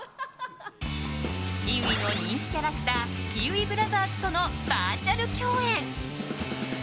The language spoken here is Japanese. キウイの人気キャラクターキウイブラザーズとのバーチャル共演。